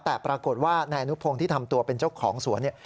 แต่ปรากฏว่านายอนุพงศ์ที่ทำตัวเป็นเจ้าของสวนเนี่ย